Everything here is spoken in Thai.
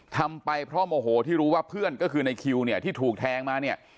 ทำไปเพราะโมโหที่รู้ว่าเพื่อนก็คือในคิวเนี่ยที่ถูกแทงมาเนี่ย